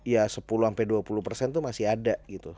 ya sepuluh dua puluh itu masih ada gitu